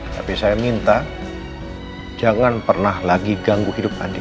tapi saya minta jangan pernah lagi ganggu hidup adil